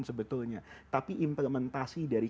sebetulnya tapi implementasi dari